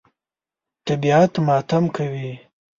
طبیعت ماتم کوي.